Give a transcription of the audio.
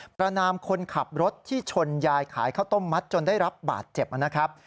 ประนามคนขับรถที่ชนยายขายข้าวต้มมัดจนได้รับบาดเจ็บนะครับ